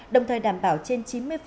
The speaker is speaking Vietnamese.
đồng thời đảm bảo trên chín mươi